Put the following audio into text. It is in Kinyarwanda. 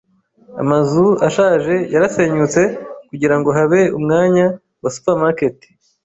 Amazu ashaje yarasenyutse kugirango habe umwanya wa supermarket.